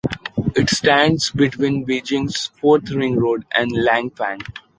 It stands between Beijing's Fourth Ring Road and Langfang.